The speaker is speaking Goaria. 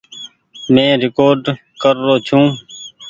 مين ريڪوڊ ڪر رو ڇون۔